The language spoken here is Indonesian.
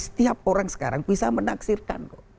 setiap orang sekarang bisa menaksirkan kok